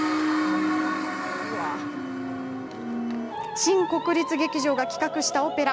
新国立劇場が企画したオペラ。